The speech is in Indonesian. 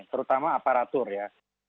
terutama aparatur ya